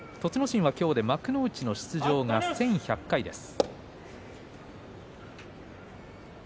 心は今日で幕内の出場が１１００回です。